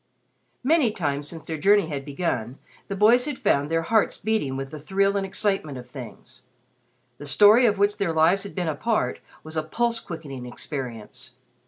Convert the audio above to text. Many times since their journey had begun the boys had found their hearts beating with the thrill and excitement of things. The story of which their lives had been a part was a pulse quickening experience.